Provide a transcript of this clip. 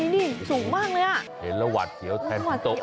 ดูเนี่ยดูเนี่ยสูงบ้างเลย